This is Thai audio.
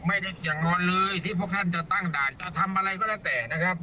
ไม่ได้เกี่ยงงอนเลยที่พวกเขาจะตั้งด่านจะทำอะไรก็แล้วแต่นะครับ